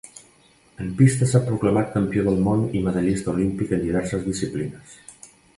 En pista s'ha proclamat campió del món i medallista olímpic en diverses disciplines.